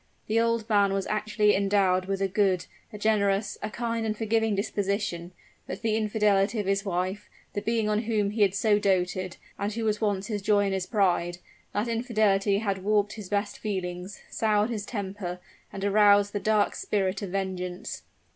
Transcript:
The old man was actually endowed with a good, a generous, a kind and forgiving disposition; but the infidelity of his wife, the being on whom he had so doted, and who was once his joy and his pride that infidelity had warped his best feelings, soured his temper, and aroused the dark spirit of vengeance.